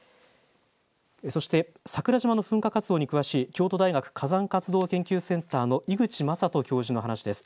そして桜島の噴火活動に詳しい京都大学、火山活動研究センターの井口正人教授の話です。